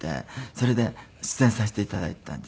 それで出演させて頂いていたんです。